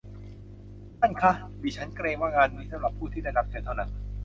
ท่านคะ ดิฉันเกรงว่างานนี้สำหรับผู้ที่ได้รับเชิญเท่านั้น